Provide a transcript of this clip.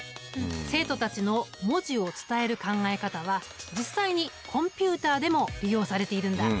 生徒たちの文字を伝える考え方は実際にコンピュータでも利用されているんだ。